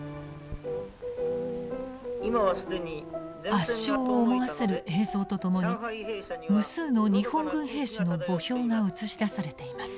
圧勝を思わせる映像と共に無数の日本軍兵士の墓標が映し出されています。